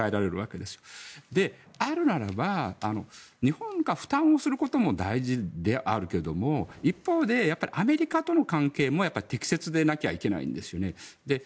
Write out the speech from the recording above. であるならば日本が負担をすることも大事であるけども一方でアメリカとの関係も適切でなきゃいけないんですよね。